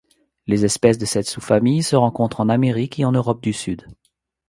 Les espèces de cette sous-famille se rencontrent en Amérique et en Europe du Sud.